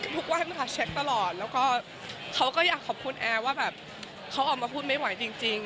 ทุกวันค่ะเช็คตลอดแล้วก็เขาก็อยากขอบคุณแอร์ว่าแบบเขาออกมาพูดไม่ไหวจริง